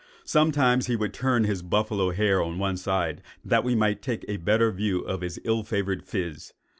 Sometimes he would turn the buffalo's hair on one side, that we might take a better view of his ill favoured phiz.